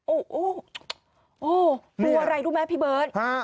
โอ้โหโอ้ลูกอะไรรู้ไหมพี่เบิร์ดฮะ